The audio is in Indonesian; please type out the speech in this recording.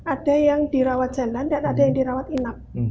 ada yang dirawat jalan dan ada yang dirawat inap